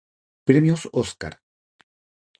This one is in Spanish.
Premios Óscar